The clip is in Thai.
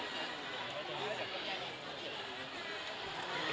อันนี้ก็เป็นสถานที่สุดท้ายของเมืองและเป็นสถานที่สุดท้ายของอัศวินธรรมชาติ